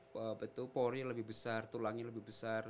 powernya lebih besar tulangnya lebih besar